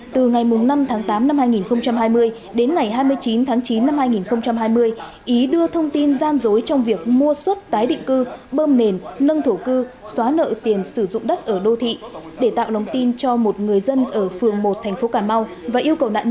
từ ngày năm tháng tám năm hai nghìn hai mươi đến ngày hai mươi chín tháng chín năm hai nghìn hai mươi ý đưa thông tin gian dối trong việc mua xuất tái định cư bơm nền nâng thổ cư xóa nợ tiền sử dụng đất ở đô thị để tạo lòng tin cho một người dân ở phường một thành phố cà mau